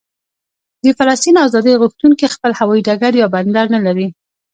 د فلسطین ازادي غوښتونکي خپل هوايي ډګر یا بندر نه لري.